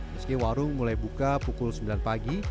meski warung mulai buka pukul sembilan pagi